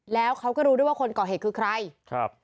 แล้วเขาก็รู้ด้วยว่าคนก่อเหตุคือใครครับ